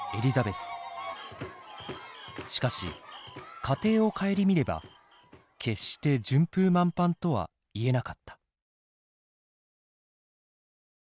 しかし家庭を顧みれば決して順風満帆とは言えなかった。